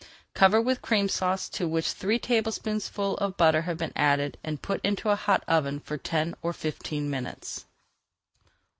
Cover with Cream Sauce to which three tablespoonfuls of butter have been added, and put into a hot oven for ten or fifteen minutes.